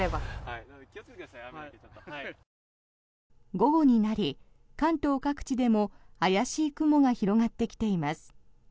午後になり関東各地でも怪しい雲が広がってきています。